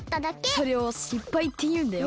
それをしっぱいっていうんだよ。